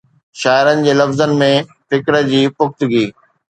شاعرن جي لفظن ۾ فڪر جي پختگي